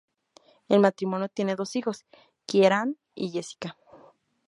El matrimonio tiene dos hijos, Kieran y Jessica.